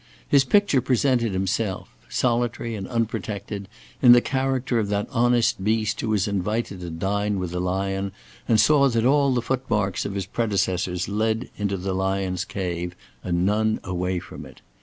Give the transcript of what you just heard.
His picture presented himself; solitary and unprotected, in the character of that honest beast who was invited to dine with the lion and saw that all the footmarks of his predecessors led into the lion's cave, and none away from it.